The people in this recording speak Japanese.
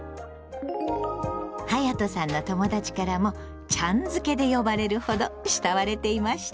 はやとさんの友だちからも「ちゃん」付けで呼ばれるほど慕われていました。